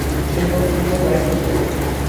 সেই পথ খুঁজিয়া বাহির করিতে হইবে।